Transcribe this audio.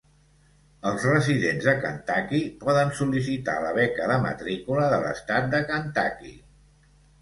Els residents de Kentucky poden sol·licitar la beca de matrícula de l'Estat de Kentucky.